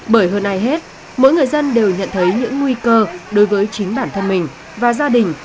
bởi hơn ai hết mỗi người dân đều nhận thấy những nguy cơ đối với chính bản thân mình và gia đình